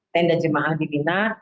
tenda jemaah di bina